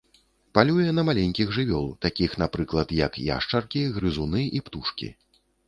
Палюе на маленькіх жывёл, такіх, напрыклад, як яшчаркі, грызуны і птушкі.